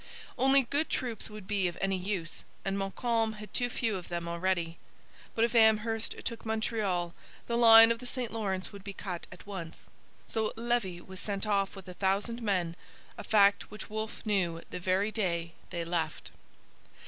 Only good troops would be of any use, and Montcalm had too few of them already. But if Amherst took Montreal the line of the St Lawrence would be cut at once. So Levis was sent off with a thousand men, a fact which Wolfe knew the very day they left.